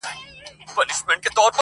ناره پورته د اتڼ سي مستانه هغسي نه ده -